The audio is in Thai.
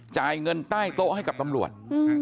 จ่ายเงินใต้โต๊ะให้กับตำรวจ